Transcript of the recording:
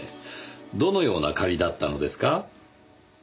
どのような借りだったのですか？